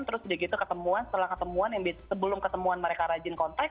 terus udah gitu ketemuan setelah ketemuan sebelum ketemuan mereka rajin kontak